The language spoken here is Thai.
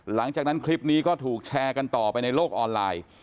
หลังจากนั้นคลิปนี้ก็ถูกแชร์กันต่อไปในโลกออนไลน์